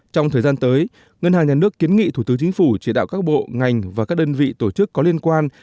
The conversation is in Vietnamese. trong thời gian tới ngân hàng nhà nước kiến nghị thủ tướng chính phủ chỉ đạo các bộ ngành và các đơn vị tổ chức có liên quan